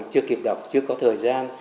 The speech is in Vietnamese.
chưa kịp đọc chưa có thời gian